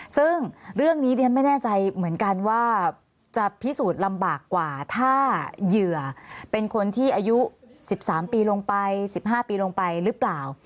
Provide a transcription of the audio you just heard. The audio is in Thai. ซึ่งเรื่องนี้ดิฉันไม่แน่ใจเหมือนกันว่าจะพิสูจน์ลำบากกว่าถ้าเหยื่อเป็นคนที่อายุ๑๓ปีลงไป๑๕ปีลงไปหรือเปล่า